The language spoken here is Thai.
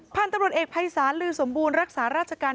พันธุ์ตำรวจเอกภัยศาลลือสมบูรณ์รักษาราชการ